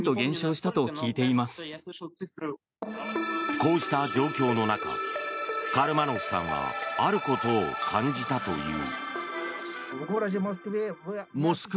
こうした状況の中カルマノフさんはあることを感じたという。